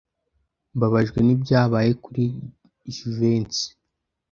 Mbabajwe nibyabaye kuri Jivency.